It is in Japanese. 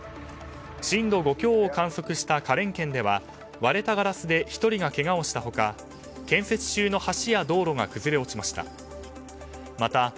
震度５強を観測した花蓮県では割れたガラスで１人がけがをした他建設中の橋や道路が崩れ落ちました。